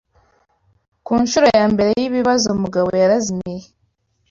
Ku ncuro ya mbere y’ibibazo, Mugabo yarazimiye.